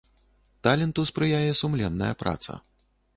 Таленту спрыяе сумленная праца.